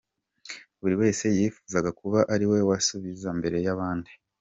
Buri wese yifuzaga kuba ari we wasubiza mbere y’abandi.